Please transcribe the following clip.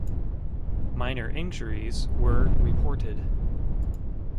Minor injuries were reported.